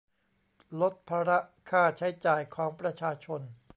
ลดภาระค่าใช้จ่ายของประชาชน